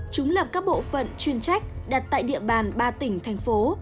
chúng lập các bộ phận chuyên trách đặt tại địa bàn ba tỉnh thành phố